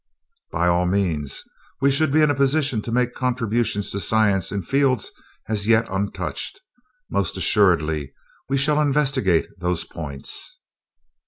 '" "By all means. We should be in a position to make contributions to science in fields as yet untouched. Most assuredly we shall investigate those points."